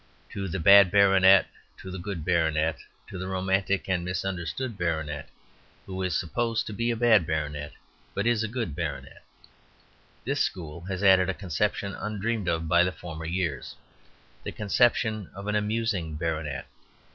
To the bad baronet, to the good baronet, to the romantic and misunderstood baronet who is supposed to be a bad baronet, but is a good baronet, this school has added a conception undreamed of in the former years the conception of an amusing baronet.